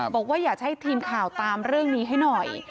บอกว่าอยากให้ทีมข่าวตามเรื่องนี้ให้หน่อย